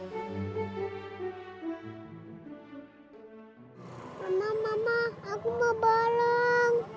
mama mama aku mau balon